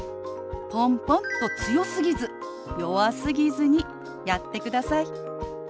ポンポンと強すぎず弱すぎずにやってください。